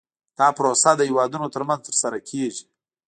دا پروسه د هیوادونو ترمنځ ترسره کیږي